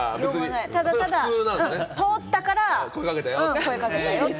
ただただ通ったから、声かけたよ